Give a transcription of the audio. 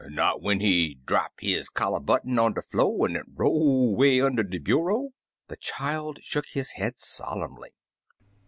"Not when he drap his collar button on de flo', an* it roll way un' de buryo?" The child shook his head solemnly.